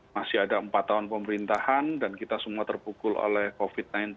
masih ada empat tahun pemerintahan dan kita semua terpukul oleh covid sembilan belas